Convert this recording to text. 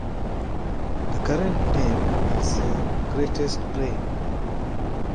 The current name is a greatest brain.